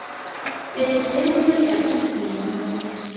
Ekyo kye yakoze kya kivve nnyo.